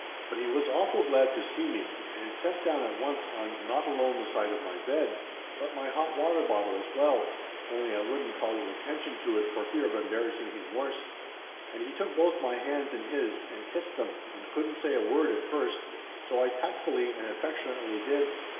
But he was awful glad to see me, and set down at once on 320 Laughter Limited not alone the side of my bed but my hot water bottle as well, only I wouldn't call his attention to it for fear of embarrassing him worse. And he took both my hands in his and kissed them ind couldn't say a word at first, so I tactfully and affectionately did.